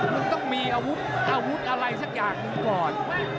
มันต้องมีอาวุธอะไรสักอย่างก่อน